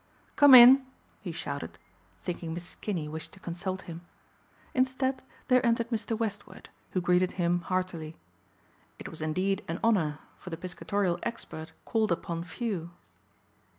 "Come in," he shouted, thinking Mrs. Kinney wished to consult him. Instead there entered Mr. Westward who greeted him heartily. It was indeed an honor, for the piscatorial expert called upon few.